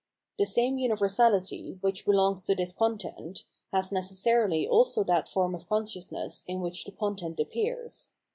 The same universahty, which belongs to this content, has necessarily also that form of consciousness in which the content appears.